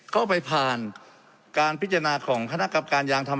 ก็ไปผ่านการพิจารณาของคณะกรรมการยางทำ